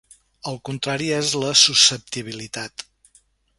El contrari és la susceptibilitat.